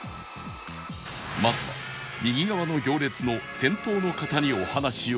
まずは右側の行列の先頭の方にお話を伺う